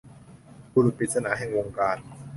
บุรุษปริศนาแห่งวงการ